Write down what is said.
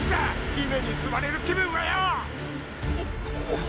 姫に吸われる気分はよぉ！